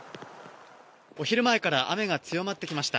お昼前から雨が強まってきました。